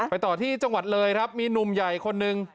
ต่อที่จังหวัดเลยครับมีหนุ่มใหญ่คนหนึ่ง